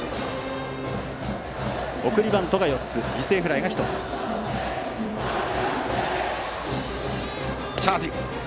送りバントが４つ犠牲フライが１つです。